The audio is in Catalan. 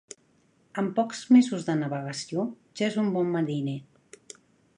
Amb pocs mesos de navegació ja és un bon mariner.